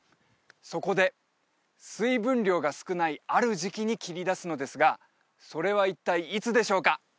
そこで水分量が少ないある時期に切り出すのですがそれは一体いつでしょうか？